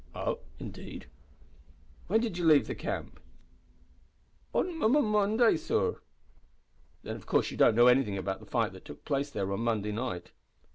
"Oh, indeed? When did you leave the camp?" "On M Monday mornin', sor." "Then of course you don't know anything about the fight that took place there on Monday night!"